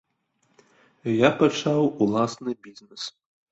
Я пачаў уласны бізнэс.